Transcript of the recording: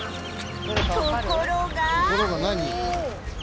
ところが何？